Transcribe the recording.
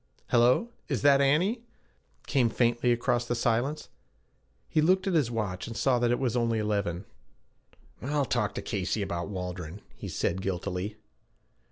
'Hello, is that Annie?' came faintly across the silence. He looked at his watch, and saw that it was only eleven. 'I'll talk to Casey about Waldron,' he said guiltily.